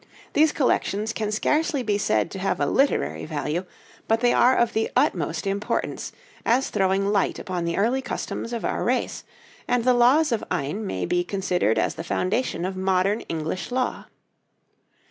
These collections can scarcely be said to have a literary value; but they are of the utmost importance as throwing light upon the early customs of our race, and the laws of Ine may be considered as the foundation of modern English law.